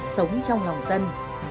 sống trong lòng dân